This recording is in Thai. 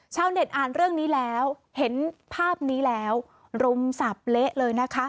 ชาวเน็ตอ่านเรื่องนี้แล้วเห็นภาพนี้แล้วรุมสับเละเลยนะคะ